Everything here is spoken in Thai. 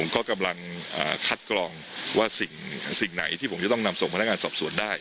ก็กำลังคัดกรองว่าสิ่งไหนที่ผมจะต้องนำส่งพนักงานสอบสวนได้